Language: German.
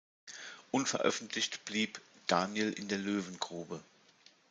Unveröffentlicht blieb "Daniel in der Löwengrube.